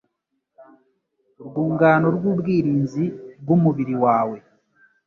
urwungano rw'ubwirinzi bw'umubiri wawe